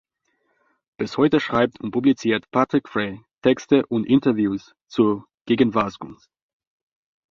Bis heute schreibt und publiziert Patrick Frey Texte und Interviews zur Gegenwartskunst.